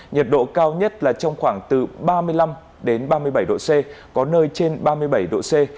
nhiệt độ cao nhất là trong khoảng từ ba mươi năm ba mươi bảy độ c có nơi trên ba mươi bảy độ c